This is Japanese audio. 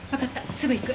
すぐ行く。